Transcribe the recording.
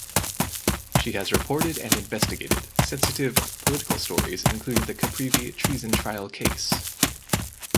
She has reported and investigated sensitive political stories including the Caprivi treason trial case.